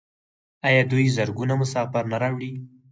آیا دوی زرګونه مسافر نه راوړي؟